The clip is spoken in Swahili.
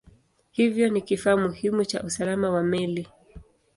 Hivyo ni kifaa muhimu cha usalama wa meli.